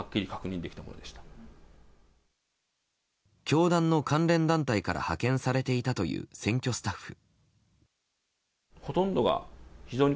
教団の関連団体から派遣されていたという選挙スタッフ。